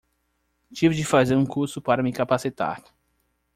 Tive de fazer um curso para me capacitar